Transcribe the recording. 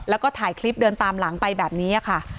แล้วก็ถ่ายคลิปเดินตามหลังไปแบบนี้ค่ะ